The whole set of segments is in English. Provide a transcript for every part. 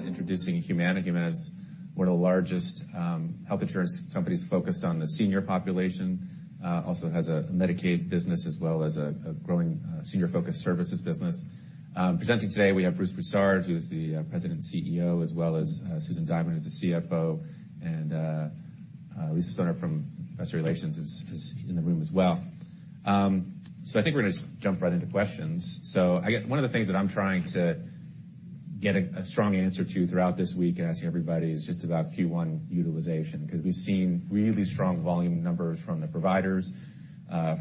Introducing Humana. Humana is one of the largest health insurance companies focused on the senior population. Also has a Medicaid business as well as a growing senior-focused services business. Presenting today we have Bruce Broussard, who is the President and CEO, as well as Susan Diamond, who's the CFO, and Lisa Stoner from investor relations is in the room as well. I think we're gonna just jump right into questions. One of the things that I'm trying to get a strong answer to throughout this week in asking everybody is just about Q1 utilization, because we've seen really strong volume numbers from the providers,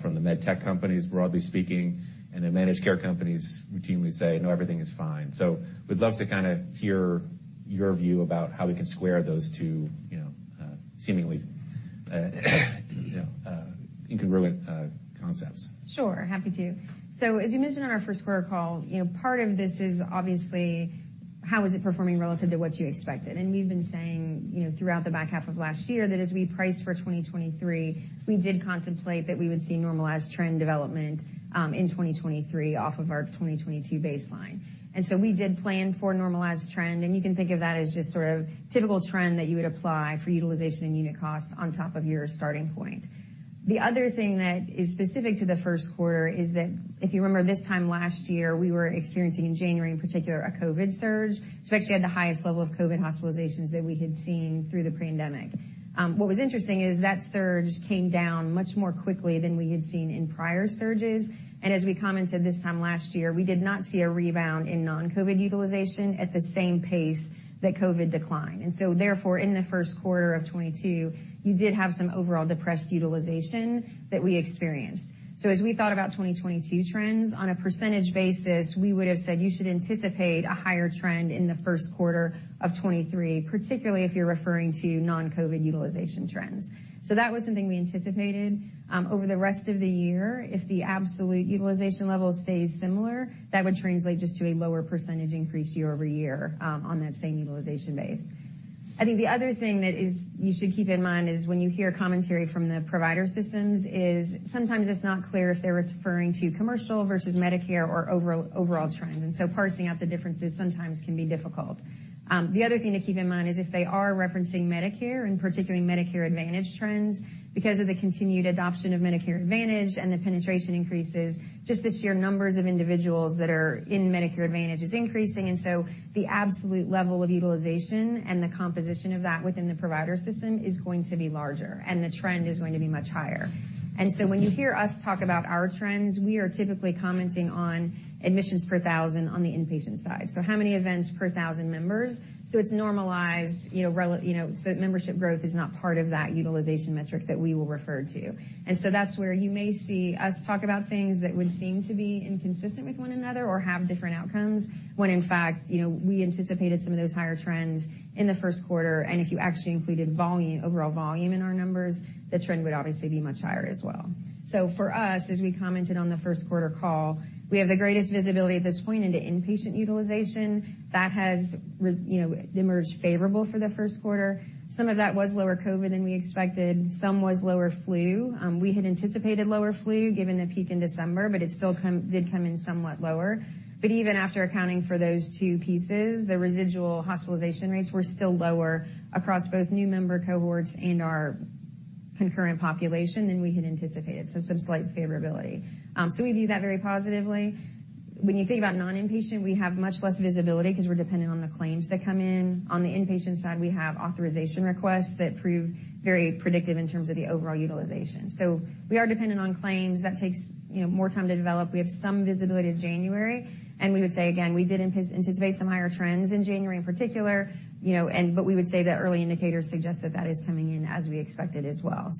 from the med tech companies, broadly speaking, and the managed care companies routinely say, "No, everything is fine." We'd love to kinda hear your view about how we can square those two, you know, seemingly, you know, incongruent concepts. Sure, happy to. As you mentioned on our first quarter call, you know, part of this is obviously how is it performing relative to what you expected. We've been saying, you know, throughout the back half of last year that as we priced for 2023, we did contemplate that we would see normalized trend development, in 2023 off of our 2022 baseline. We did plan for a normalized trend, and you can think of that as just sort of typical trend that you would apply for utilization and unit cost on top of your starting point. The other thing that is specific to the first quarter is that if you remember this time last year, we were experiencing in January, in particular, a COVID surge, so actually had the highest level of COVID hospitalizations than we had seen through the pre-pandemic. What was interesting is that surge came down much more quickly than we had seen in prior surges. As we commented this time last year, we did not see a rebound in non-COVID utilization at the same pace that COVID declined. In the first quarter of 2022, you did have some overall depressed utilization that we experienced. As we thought about 2022 trends, on a percentage basis, we would have said you should anticipate a higher trend in the first quarter of 2023, particularly if you're referring to non-COVID utilization trends. Over the rest of the year, if the absolute utilization level stays similar, that would translate just to a lower percentage increase year over year on that same utilization base. I think the other thing that you should keep in mind is when you hear commentary from the provider systems is sometimes it's not clear if they're referring to commercial versus Medicare or overall trends, and so parsing out the differences sometimes can be difficult. The other thing to keep in mind is if they are referencing Medicare. In particular Medicare Advantage trends, because of the continued adoption of Medicare Advantage and the penetration increases, just the sheer numbers of individuals that are in Medicare Advantage is increasing, and so the absolute level of utilization and the composition of that within the provider system is going to be larger, and the trend is going to be much higher. When you hear us talk about our trends, we are typically commenting on admissions per 1,000 on the inpatient side. How many events per 1,000 members? It's normalized, you know, so that membership growth is not part of that utilization metric that we will refer to. That's where you may see us talk about things that would seem to be inconsistent with one another or have different outcomes, when in fact we anticipated some of those higher trends in the first quarter, and if you actually included volume, overall volume in our numbers, the trend would obviously be much higher as well. For us, as we commented on the first quarter call, we have the greatest visibility at this point into inpatient utilization. That has you know, emerged favorable for the first quarter. Some of that was lower COVID than we expected. Some was lower flu. We had anticipated lower flu given the peak in December, but it still did come in somewhat lower. Even after accounting for those two pieces, the residual hospitalization rates were still lower across both new member cohorts and our concurrent population than we had anticipated. Some slight favorability. We view that very positively. When you think about non-inpatient, we have much less visibility because we're dependent on the claims that come in. On the inpatient side, we have authorization requests that prove very predictive in terms of the overall utilization. We are dependent on claims. That takes more time to develop. We have some visibility to January, and we would say again, we did anticipate some higher trends in January in particular, you know, and but we would say that early indicators suggest that that is coming in as we expected as well.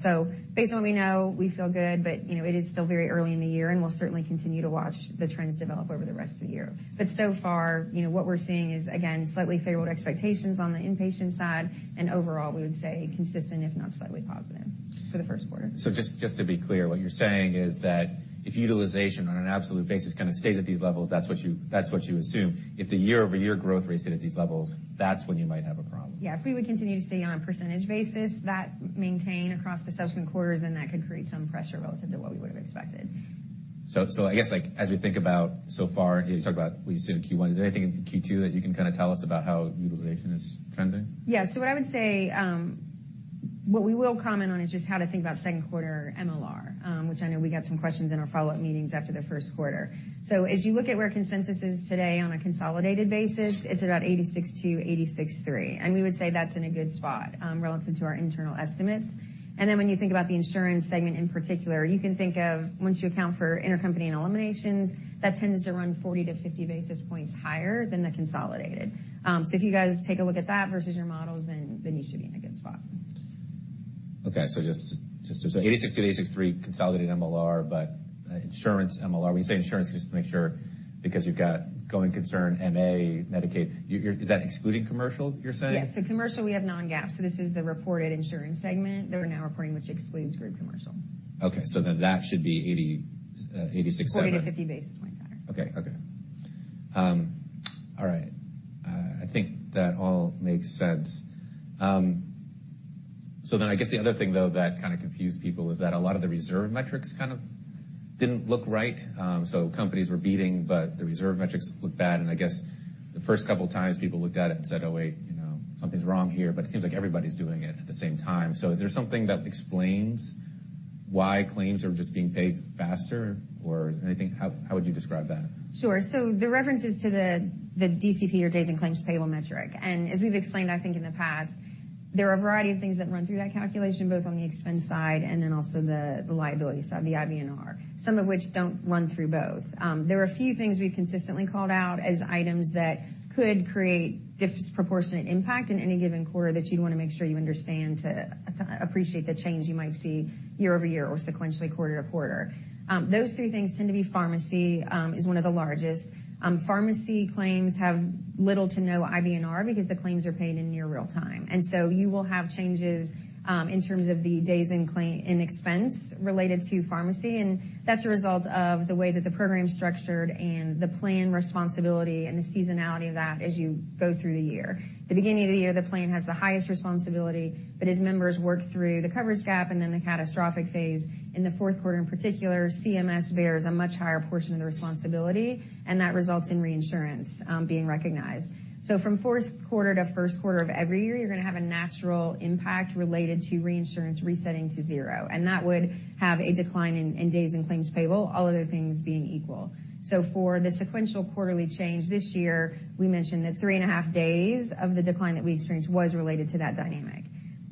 Based on what we know, we feel good, but you know, it is still very early in the year, and we'll certainly continue to watch the trends develop over the rest of the year. So far what we're seeing is, again, slightly favored expectations on the inpatient side, and overall, we would say consistent, if not slightly positive for the first quarter. Just to be clear, what you're saying is that if utilization on an absolute basis kind of stays at these levels, that's what you assume. If the year-over-year growth rates hit at these levels, that's when you might have a problem. Yeah. If we would continue to stay on a percentage basis, that maintain across the subsequent quarters, then that could create some pressure relative to what we would have expected. I guess like as we think about so far, you talked about what you see in Q1, is there anything in Q2 that you can kind of tell us about how utilization is trending? Yeah. What I would say, what we will comment on is just how to think about second quarter MLR, which I know we got some questions in our follow-up meetings after the first quarter. As you look at where consensus is today on a consolidated basis, it's about 86.2%, 86.3%, and we would say that's in a good spot relative to our internal estimates. When you think about the insurance segment in particular, you can think of once you account for intercompany and eliminations, that tends to run 40 to 50 basis points higher than the consolidated. If you guys take a look at that versus your models, then you should be in a good spot. Okay. Just to 86%-83% consolidated MLR, but insurance MLR. When you say insurance, just to make sure, because you've got going concern MA, Medicaid, is that excluding commercial, you're saying? Yes. Commercial, we have non-GAAP, so this is the reported insurance segment that we're now reporting, which excludes group commercial. that should be 80, 86, 7. 40-50 basis points higher. Okay. Okay. All right. I think that all makes sense. I guess the other thing, though, that kind of confused people was that a lot of the reserve metrics kind of didn't look right. Companies were beating, but the reserve metrics looked bad. I guess the first couple of times people looked at it and said, "Oh, wait something's wrong here," but it seems like everybody's doing it at the same time. Is there something that explains why claims are just being paid faster or anything? How would you describe that? Sure. The reference is to the DCP or days in claims payable metric. As we've explained, I think in the past, there are a variety of things that run through that calculation, both on the expense side and also the liability side, the IBNR, some of which don't run through both. There are a few things we've consistently called out as items that could create disproportionate impact in any given quarter that you'd want to make sure you understand to appreciate the change you might see year-over-year or sequentially quarter-to-quarter. Those three things tend to be pharmacy, is one of the largest. Pharmacy claims have little to no IBNR because the claims are paid in near real time. You will have changes in terms of the days in claim and expense related to pharmacy, and that's a result of the way that the program's structured and the plan responsibility and the seasonality of that as you go through the year. The beginning of the year, the plan has the highest responsibility, but as members work through the coverage gap and then the catastrophic phase, in the fourth quarter, in particular, CMS bears a much higher portion of the responsibility, and that results in reinsurance being recognized. From fourth quarter to first quarter of every year, you're going to have a natural impact related to reinsurance resetting to zero, and that would have a decline in Days in Claims Payable, all other things being equal. For the sequential quarterly change this year, we mentioned that three and a half days of the decline that we experienced was related to that dynamic.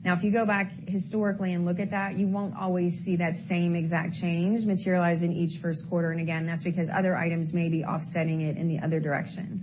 Now, if you go back historically and look at that, you won't always see that same exact change materialize in each first quarter. Again, that's because other items may be offsetting it in the other direction.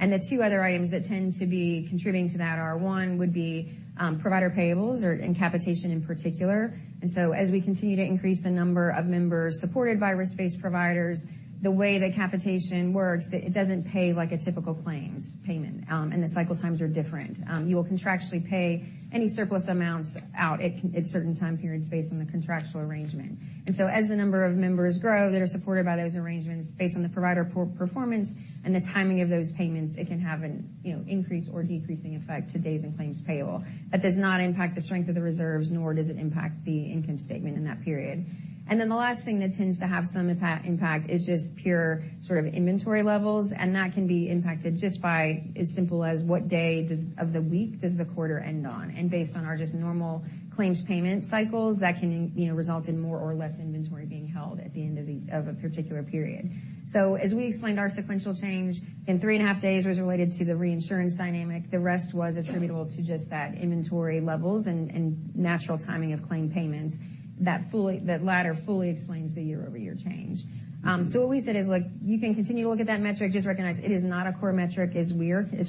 The two other items that tend to be contributing to that are, one would be, provider payables or in capitation in particular. As we continue to increase the number of members supported by risk-based providers, the way that capitation works, it doesn't pay like a typical claims payment, and the cycle times are different. You will contractually pay any surplus amounts out at certain time periods based on the contractual arrangement. As the number of members grow that are supported by those arrangements based on the provider performance and the timing of those payments, it can have an increase or decreasing effect to days in claims payable. That does not impact the strength of the reserves, nor does it impact the income statement in that period. The last thing that tends to have some impact is just pure sort of inventory levels, and that can be impacted just by as simple as what day of the week does the quarter end on. Based on our just normal claims payment cycles, that can result in more or less inventory being held at the end of a particular period. As we explained, our sequential change in three and a half days was related to the reinsurance dynamic. The rest was attributable to just that inventory levels and natural timing of claim payments. That latter fully explains the year-over-year change. What we said is, look, you can continue to look at that metric. Just recognize it is not a core metric as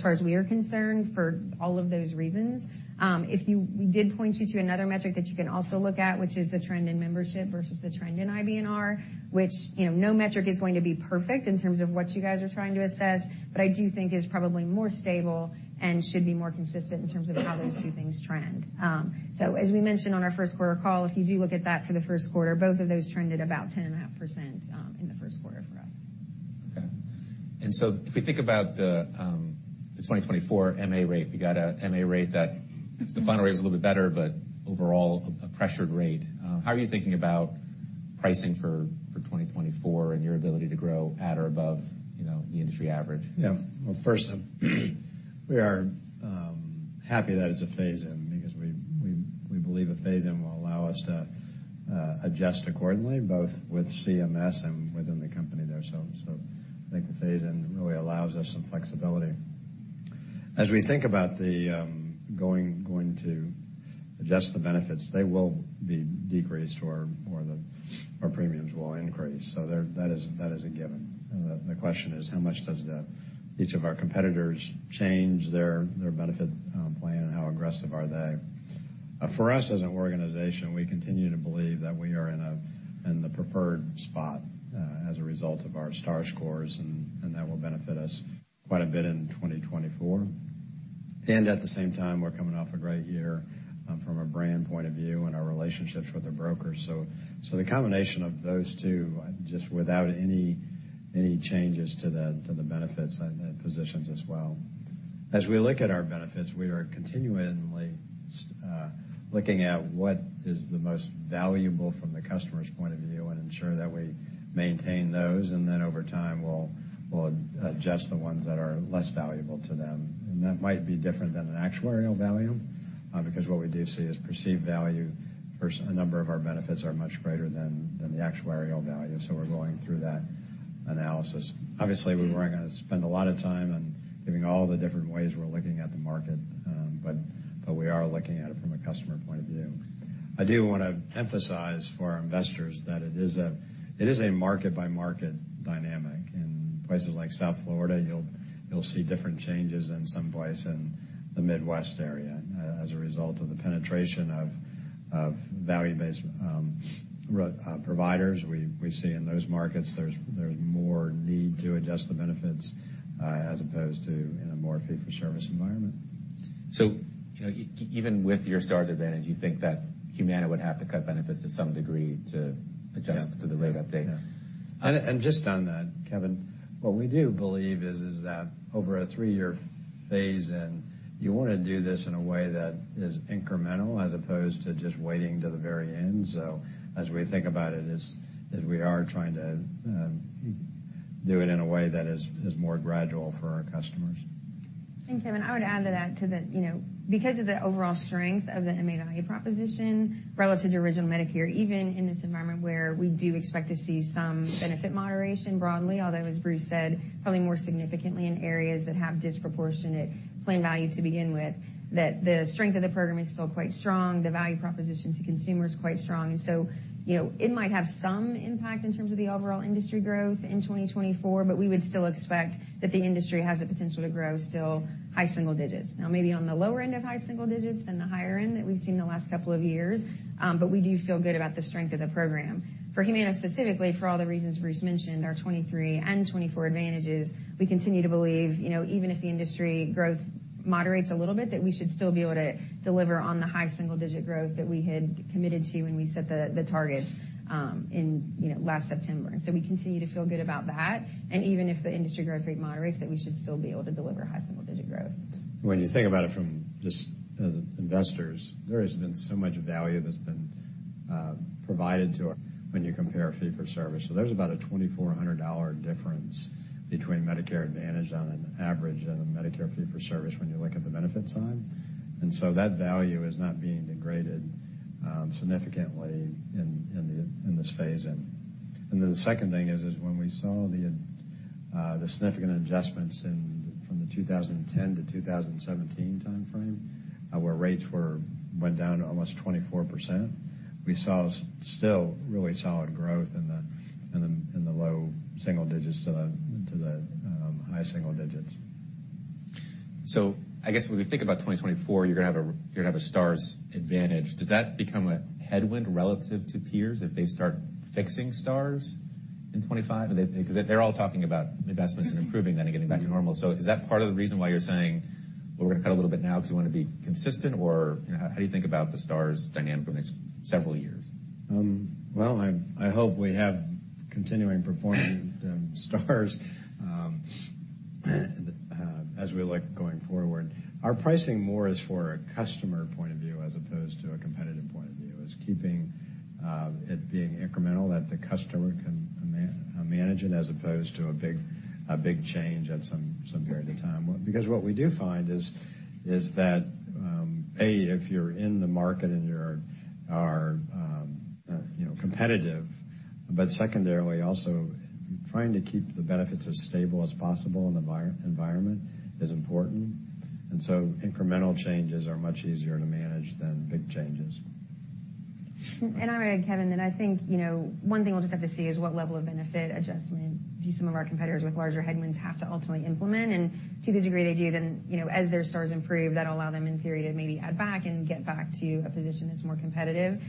far as we are concerned for all of those reasons. We did point you to another metric that you can also look at, which is the trend in membership versus the trend in IBNR, which, you know, no metric is going to be perfect in terms of what you guys are trying to assess, but I do think is probably more stable and should be more consistent in terms of how those two things trend. As we mentioned on our first quarter call, if you do look at that for the first quarter, both of those trended about 10.5% in the first quarter for us. Okay. If we think about the 2024 MA rate, we got a MA rate that the final rate was a little bit better, but overall a pressured rate. How are you thinking about pricing for 2024 and your ability to grow at or above, you know, the industry average? Well, first, we are happy that it's a phase-in because we believe a phase-in will allow us to adjust accordingly, both with CMS and within the company there. I think the phase-in really allows us some flexibility. As we think about the going to adjust the benefits, they will be decreased or the, our premiums will increase. That is a given. The question is, how much does each of our competitors change their benefit plan and how aggressive are they? For us as an organization, we continue to believe that we are in the preferred spot, as a result of our star scores, and that will benefit us quite a bit in 2024. At the same time, we're coming off a great year, from a brand point of view and our relationships with the brokers. The combination of those two, just without any changes to the benefits and the positions as well. As we look at our benefits, we are continually looking at what is the most valuable from the customer's point of view and ensure that we maintain those, and then over time, we'll adjust the ones that are less valuable to them. That might be different than an actuarial value, because what we do see is perceived value versus a number of our benefits are much greater than the actuarial value. We're going through that analysis. We weren't gonna spend a lot of time on giving all the different ways we're looking at the market, but we are looking at it from a customer point of view. I do wanna emphasize for our investors that it is a market-by-market dynamic. In places like South Florida, you'll see different changes than some place in the Midwest area. As a result of the penetration of value-based providers, we see in those markets there's more need to adjust the benefits as opposed to in a more fee-for-service environment. you know, even with your stars advantage, you think that Humana would have to cut benefits to some degree. Yeah. to the rate update? Just on that, Kevin, what we do believe is that over a three-year phase in, you wanna do this in a way that is incremental as opposed to just waiting till the very end. As we think about it is that we are trying to do it in a way that is more gradual for our customers. Kevin, I would add to that too that, you know, because of the overall strength of the MA-D proposition relative to original Medicare, even in this environment where we do expect to see some benefit moderation broadly, although as Bruce said, probably more significantly in areas that have disproportionate plan value to begin with, that the strength of the program is still quite strong. The value proposition to consumer is quite strong. It might have some impact in terms of the overall industry growth in 2024, but we would still expect that the industry has the potential to grow still high single digits. Maybe on the lower end of high single digits than the higher end that we've seen the last couple of years, but we do feel good about the strength of the program. For Humana specifically, for all the reasons Bruce mentioned, our 2023 and 2024 advantages, we continue to believe, even if the industry growth moderates a little bit, that we should still be able to deliver on the high single digit growth that we had committed to when we set the targets, in last September. We continue to feel good about that. Even if the industry growth rate moderates, that we should still be able to deliver high single digit growth. When you think about it from just as investors, there has been so much value that's been provided to when you compare fee-for-service. There's about a $2,400 difference between Medicare Advantage on an average and a Medicare fee-for-service when you look at the benefit side. That value is not being degraded significantly in this phase in. The second thing is when we saw the significant adjustments in from the 2010 to 2017 timeframe, where rates went down to almost 24%, we saw still really solid growth in the low single digits to the high single digits. I guess when we think about 2024, you're gonna have a stars advantage. Does that become a headwind relative to peers if they start fixing stars in 2025? They're all talking about investments and improving that and getting back to normal. Is that part of the reason why you're saying, "Well, we're gonna cut a little bit now 'cause we wanna be consistent?" You know, how do you think about the stars dynamic over the next several years? Well, I hope we have continuing performing stars as we look going forward. Our pricing more is for a customer point of view as opposed to a competitive point of view. It's keeping it being incremental that the customer can manage it as opposed to a big change at some period of time. What we do find is that A, if you're in the market and you're, you know, competitive, but secondarily also trying to keep the benefits as stable as possible in the environment is important. Incremental changes are much easier to manage than big changes. I would add, Kevin, that I think, one thing we'll just have to see is what level of benefit adjustment do some of our competitors with larger headwinds have to ultimately implement. To the degree they do, then, you know, as their stars improve, that'll allow them in theory to maybe add back and get back to a position that's more competitive..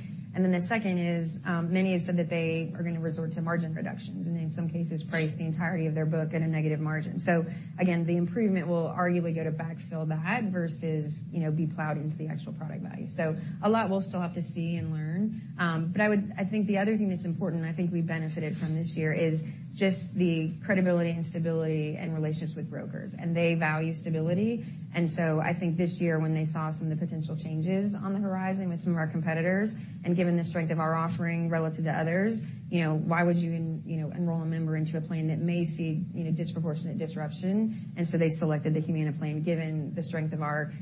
Then the second is, many have said that they are going to resort to margin reductions and in some cases price the entirety of their book at a negative margin. Again, the improvement will arguably go to backfill that versus, you know, be plowed into the actual product value. A lot we'll still have to see and learn. I think the other thing that's important and I think we benefited from this year is just the credibility and stability and relationships with brokers, and they value stability. I think this year when they saw some of the potential changes on the horizon with some of our competitors, and given the strength of our offering relative to others, you know, why would you know, enroll a member into a plan that may see, you know, disproportionate disruption? They selected the Humana plan, given the strength of our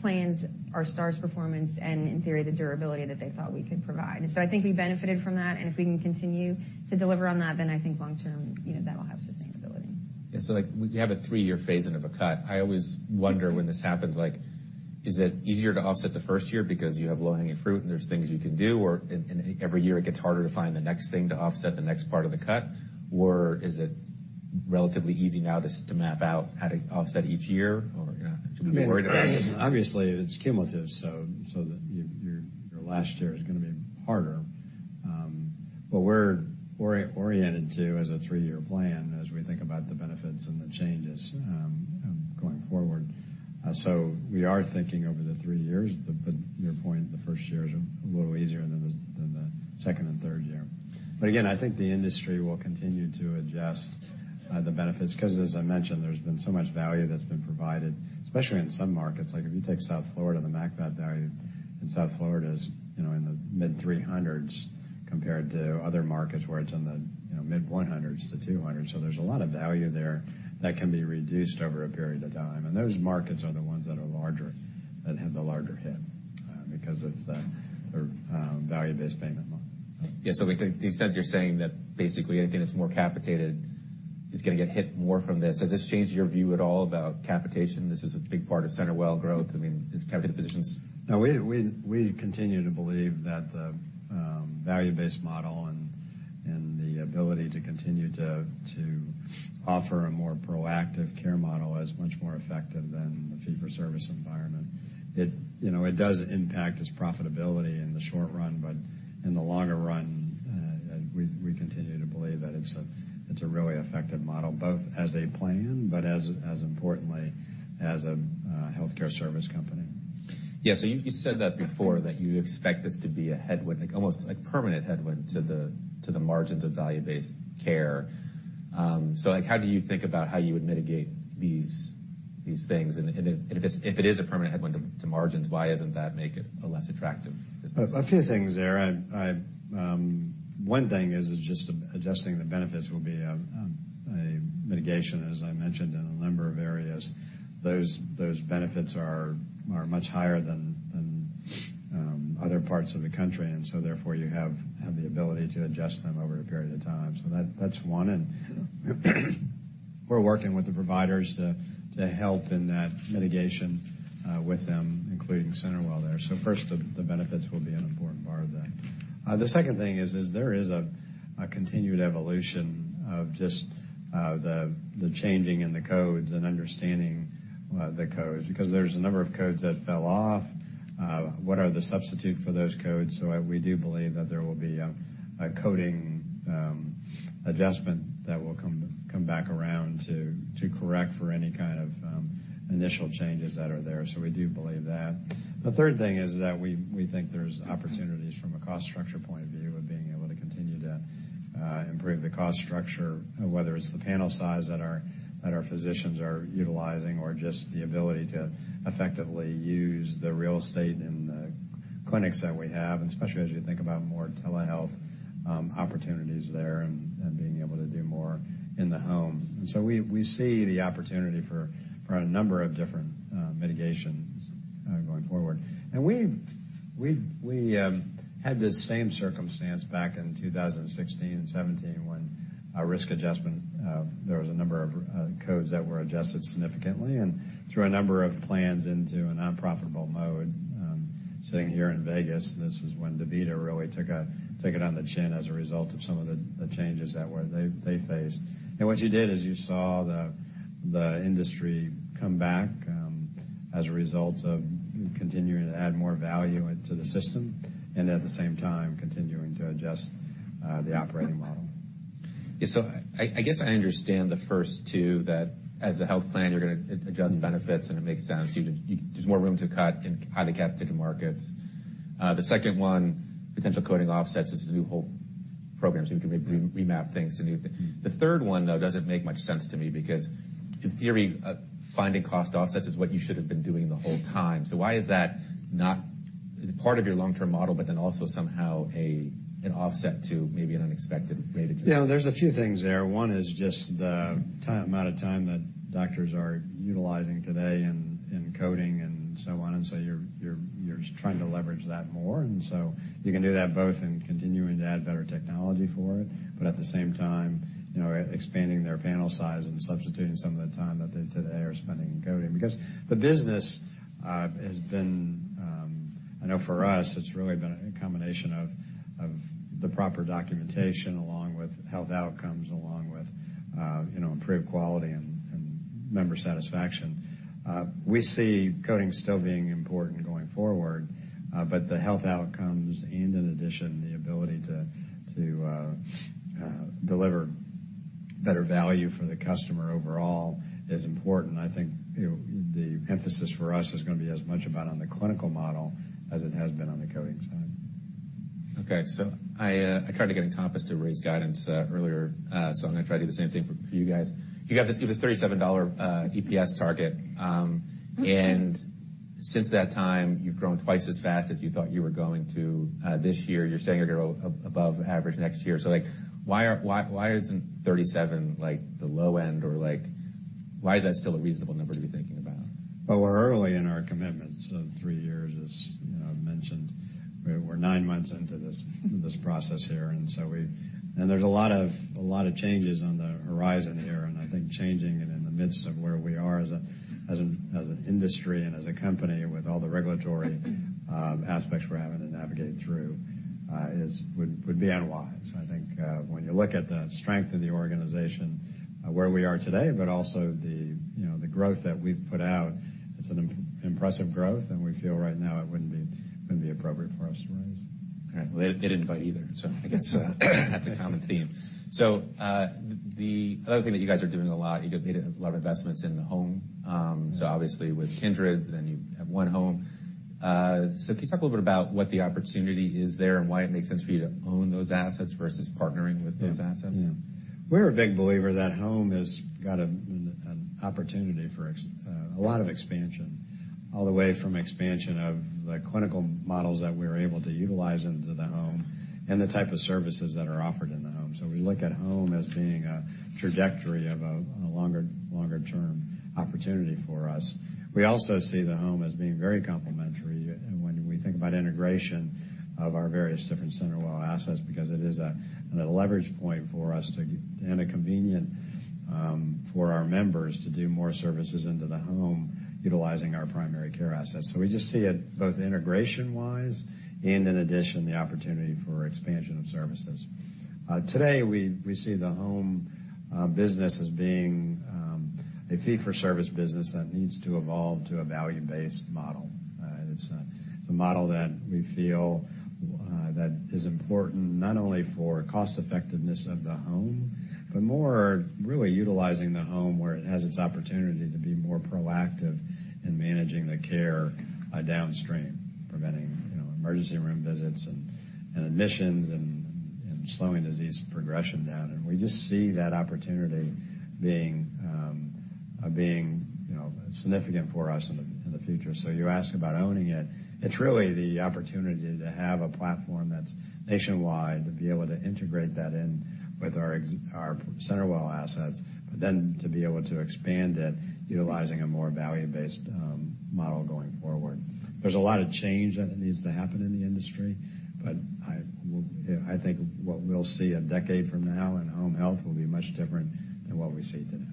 plans, our stars performance, and in theory the durability that they thought we could provide. I think we benefited from that. If we can continue to deliver on that, then I think long term, you know, that'll have sustainability. Yeah. Like when you have a three-year phase in of a cut, I always wonder when this happens, like is it easier to offset the first year because you have low-hanging fruit and there's things you can do, or in every year it gets harder to find the next thing to offset the next part of the cut? Or is it relatively easy now to map out how to offset each year? Or, you know, should we be worried about this? I mean, obviously it's cumulative, so your last year is gonna be harder. We're oriented to as a three-year plan as we think about the benefits and the changes going forward. We are thinking over the three years, but your point, the first year is a little easier than the second and third year. Again, I think the industry will continue to adjust the benefits because as I mentioned, there's been so much value that's been provided, especially in some markets. Like if you take South Florida, the MAC value in South Florida is, you know, in the mid three hundreds compared to other markets where it's in, you know, the mid one hundreds to two hundred. There's a lot of value there that can be reduced over a period of time. Those markets are the ones that are larger, that have the larger hit, because of the value-based payment model. Yeah. Like the extent you're saying that basically anything that's more capitated is gonna get hit more from this. Has this changed your view at all about capitation? This is a big part of CenterWell growth. I mean, is capitation positions- No, we continue to believe that the value-based model and the ability to continue to offer a more proactive care model is much more effective than the fee-for-service environment. It, you know, it does impact its profitability in the short run, but in the longer run, we continue to believe that It's a really effective model, both as a plan, but as importantly as a healthcare service company. You said that before, that you expect this to be a headwind, almost like permanent headwind to the margins of value-based care. How do you think about how you would mitigate these things? If it is a permanent headwind to margins, why doesn't that make it a less attractive business? A few things there. I, one thing is just adjusting the benefits will be a mitigation, as I mentioned, in a number of areas. Those benefits are much higher than other parts of the country, and therefore you have the ability to adjust them over a period of time. That's one. We're working with the providers to help in that mitigation with them, including CenterWell there. First, the benefits will be an important part of that. The second thing is there is a continued evolution of just the changing in the codes and understanding the codes, because there's a number of codes that fell off. What are the substitute for those codes? We do believe that there will be a coding adjustment that will come back around to correct for any kind of initial changes that are there. We do believe that. The third thing is that we think there's opportunities from a cost structure point of view of being able to continue to improve the cost structure, whether it's the panel size that our physicians are utilizing, or just the ability to effectively use the real estate in the clinics that we have, especially as you think about more telehealth opportunities there and being able to do more in the home. We see the opportunity for a number of different mitigations going forward. We've had this same circumstance back in 2016 and 2017 when a risk adjustment there was a number of codes that were adjusted significantly and threw a number of plans into an unprofitable mode. Sitting here in Vegas, this is when DaVita really took it on the chin as a result of some of the changes that they faced. What you did is you saw the industry come back as a result of continuing to add more value into the system and at the same time continuing to adjust the operating model. I guess I understand the first two, that as the health plan, you're gonna adjust benefits, and it makes sense. There's more room to cut in highly capitated markets. The second one, potential coding offsets. This is a new whole program, we can remap things to new things. The third one, doesn't make much sense to me, because in theory, finding cost offsets is what you should have been doing the whole time. Why is that not part of your long-term model, but then also somehow a, an offset to maybe an unexpected rate of- Yeah, there's a few things there. One is just the amount of time that doctors are utilizing today in coding and so on, so you're trying to leverage that more. You can do that both in continuing to add better technology for it, but at the same time, you know, expanding their panel size and substituting some of the time that they today are spending in coding. The business has been, I know for us, it's really been a combination of the proper documentation, along with health outcomes, along with improved quality and member satisfaction. We see coding still being important going forward, but the health outcomes and in addition, the ability to deliver better value for the customer overall is important. I think the emphasis for us is gonna be as much about on the clinical model as it has been on the coding side. Okay. I tried to get Encompass to raise guidance earlier, I'm gonna try to do the same thing for you guys. You have this $37 EPS target. Since that time, you've grown twice as fast as you thought you were going to this year. You're saying you're grow above average next year. Like, why isn't 37, like, the low end? Or, like, why is that still a reasonable number to be thinking about? Well, we're early in our commitments of three years, as, you know, I've mentioned. We're nine months into this process here, there's a lot of changes on the horizon here. I think changing in the midst of where we are as an industry and as a company with all the regulatory aspects we're having to navigate through, would be unwise. I think when you look at the strength of the organization, where we are today, also the, you know, the growth that we've put out, it's an impressive growth, and we feel right now it wouldn't be appropriate for us to raise. All right. Well, they didn't bite either, I guess that's a common theme. The other thing that you guys are doing a lot, you made a lot of investments in the home. Obviously with Kindred, then you have onehome. Can you talk a little bit about what the opportunity is there and why it makes sense for you to own those assets versus partnering with those assets? We're a big believer that home has got an opportunity for a lot of expansion, all the way from expansion of the clinical models that we're able to utilize into the home and the type of services that are offered in the home. We look at home as being a trajectory of a longer-term opportunity for us. We also see the home as being very complementary when we think about integration of our various different CenterWell assets, because it is a leverage point for us and a convenient for our members to do more services into the home utilizing our primary care assets. We just see it both integration-wise and in addition, the opportunity for expansion of services. Today, we see the home business as being A fee-for-service business that needs to evolve to a value-based model. It's a model that we feel that is important not only for cost effectiveness of the home, but more really utilizing the home where it has its opportunity to be more proactive in managing the care downstream, preventing, you know, emergency room visits and admissions and slowing disease progression down. We just see that opportunity being, you know, significant for us in the future. You ask about owning it's really the opportunity to have a platform that's nationwide, to be able to integrate that in with our CenterWell assets, but then to be able to expand it utilizing a more value-based model going forward. There's a lot of change that needs to happen in the industry, but I will... I think what we'll see a decade from now in home health will be much different than what we see today.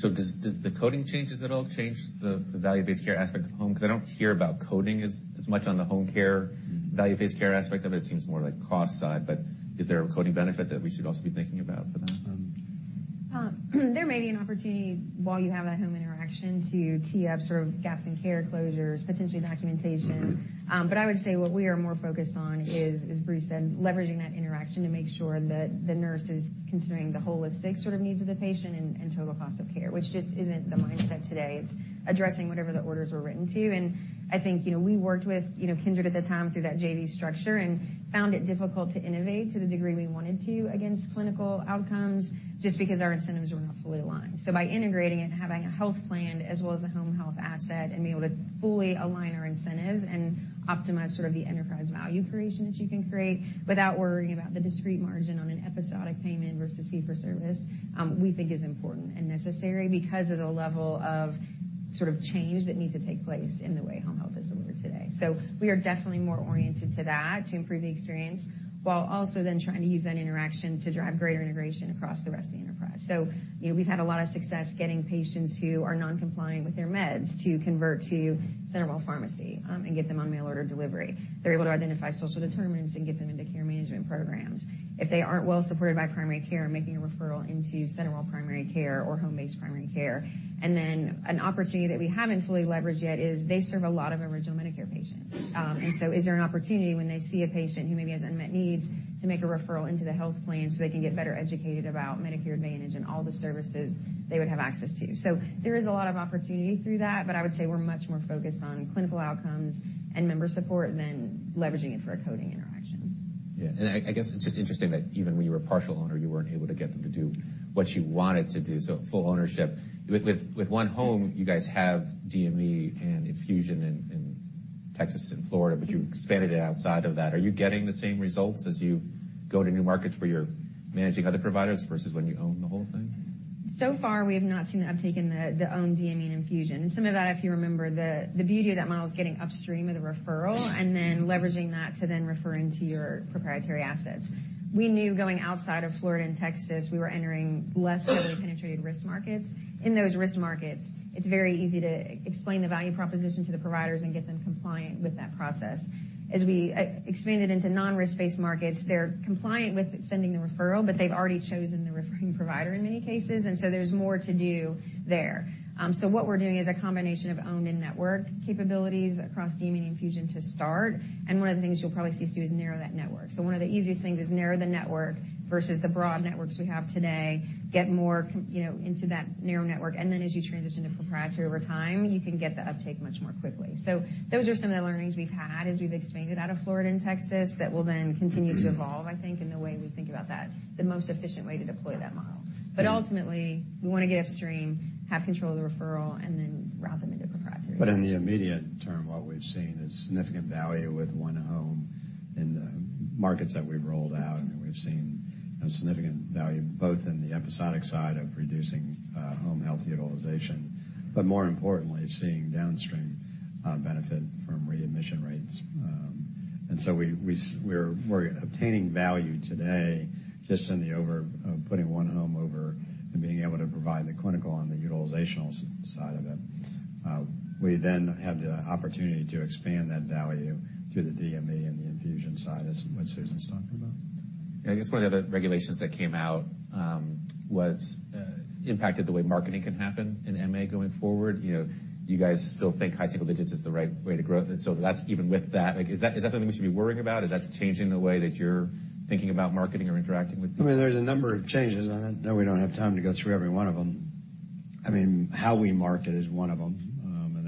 Does that all change the value-based care aspect of home? I don't hear about coding as much on the home care value-based care aspect of it. It seems more like cost side, but is there a coding benefit that we should also be thinking about for that? There may be an opportunity while you have that home interaction to tee up sort of gaps in care closures, potentially documentation. Mm-hmm. I would say what we are more focused on is, as Bruce said, leveraging that interaction to make sure that the nurse is considering the holistic sort of needs of the patient and total cost of care, which just isn't the mindset today. It's addressing whatever the orders were written to. I think we worked with, Kindred at the time through that JV structure and found it difficult to innovate to the degree we wanted to against clinical outcomes just because our incentives were not fully aligned. By integrating it and having a health plan as well as the home health asset, and being able to fully align our incentives and optimize sort of the enterprise value creation that you can create without worrying about the discrete margin on an episodic payment versus fee-for-service, we think is important and necessary because of the level of sort of change that needs to take place in the way home health is delivered today. We are definitely more oriented to that, to improve the experience, while also then trying to use that interaction to drive greater integration across the rest of the enterprise. We've had a lot of success getting patients who are non-compliant with their meds to convert to CenterWell Pharmacy, and get them on mail order delivery. They're able to identify social determinants and get them into care management programs. If they aren't well supported by primary care, making a referral into CenterWell Primary Care or home-based primary care. An opportunity that we haven't fully leveraged yet is they serve a lot of original Medicare patients. Is there an opportunity when they see a patient who maybe has unmet needs to make a referral into the health plan so they can get better educated about Medicare Advantage and all the services they would have access to? There is a lot of opportunity through that, but I would say we're much more focused on clinical outcomes and member support than leveraging it for a coding interaction. Yeah. I guess it's just interesting that even when you were a partial owner, you weren't able to get them to do what you wanted to do, so full ownership. With onehome, you guys have DME and infusion in Texas and Florida. You expanded it outside of that. Are you getting the same results as you go to new markets where you're managing other providers versus when you own the whole thing? Far, we have not seen the uptake in the own DME infusion. Some of that, if you remember the beauty of that model is getting upstream of the referral and then leveraging that to then refer into your proprietary assets. We knew going outside of Florida and Texas, we were entering less heavily penetrated risk markets. In those risk markets, it's very easy to explain the value proposition to the providers and get them compliant with that process. As we expanded into non-risk-based markets, they're compliant with sending the referral, but they've already chosen the referring provider in many cases, there's more to do there. what we're doing is a combination of own and network capabilities across DME infusion to start. One of the things you'll probably see us do is narrow that network. One of the easiest things is narrow the network versus the broad networks we have today, get more, you know, into that narrow network. As you transition to proprietary over time, you can get the uptake much more quickly. Those are some of the learnings we've had as we've expanded out of Florida and Texas that will then continue to evolve, I think, in the way we think about that, the most efficient way to deploy that model. Ultimately, we wanna get upstream, have control of the referral, and then route them into proprietary. In the immediate term, what we've seen is significant value with onehome in the markets that we've rolled out. I mean, we've seen a significant value both in the episodic side of reducing home health utilization, but more importantly, seeing downstream benefit from readmission rates. We're obtaining value today just in the over putting onehome over and being able to provide the clinical on the utilizational side of it. We then have the opportunity to expand that value through the DME and the infusion side as what Susan's talking about. Yeah. I guess one of the other regulations that came out, was impacted the way marketing can happen in MA going forward. You know, you guys still think high single digits is the right way to grow. That's even with that, like, is that something we should be worrying about? Is that changing the way that you're thinking about marketing or interacting with people? I mean, there's a number of changes. I know we don't have time to go through every one of them. I mean, how we market is one of them.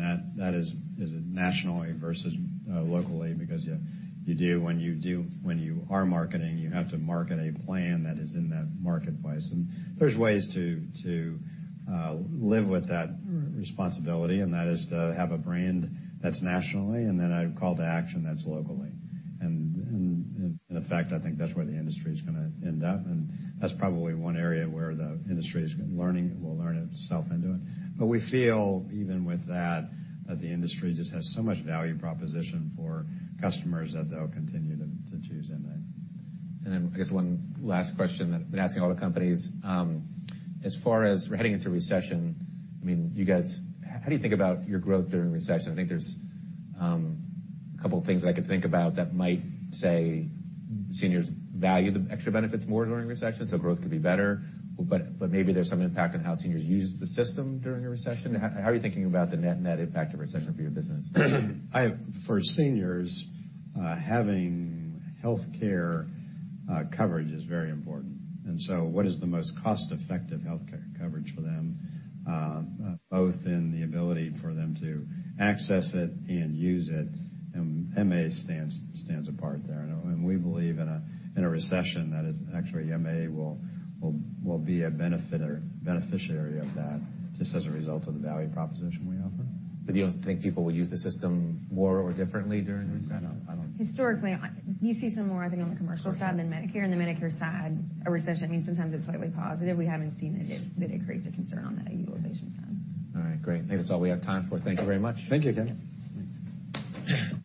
That, that is nationally versus locally because you do when you are marketing, you have to market a plan that is in that marketplace. There's ways to live with that responsibility, and that is to have a brand that's nationally, and then a call to action that's locally. In effect, I think that's where the industry is gonna end up, and that's probably one area where the industry is learning will learn itself into it. We feel even with that the industry just has so much value proposition for customers that they'll continue to choose MA. I guess one last question that I've been asking all the companies. As far as we're heading into recession, I mean, you guys, how do you think about your growth during recession? I think there's a couple things I could think about that might say seniors value the extra benefits more during recession, growth could be better. Maybe there's some impact on how seniors use the system during a recession. How are you thinking about the net impact of recession for your business? For seniors, having healthcare coverage is very important. What is the most cost-effective healthcare coverage for them, both in the ability for them to access it and use it? MA stands apart there. We believe in a recession that is actually MA will be a beneficiary of that, just as a result of the value proposition we offer. you don't think people will use the system more or differently during a recession? I don't. Historically, you see some more, I think, on the commercial side than Medicare. In the Medicare side, a recession means sometimes it's slightly positive. We haven't seen it that it creates a concern on the utilization side. All right. Great. I think that's all we have time for. Thank you very much. Thank you, Kevin. Thanks.